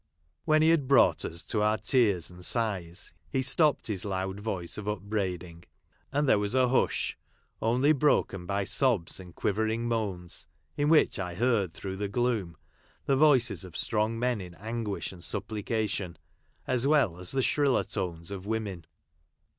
When he had brought us to our tears and sighs, he stopped his loud voice of upbraiding, and there was a hush, only broken by sobs and quivering moans, in which I heard through the gloom the voices of strong men in anguish and sup plication, as well as the shriller tones of women.